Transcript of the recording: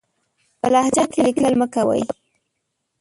په لهجه کې ليکل مه کوئ!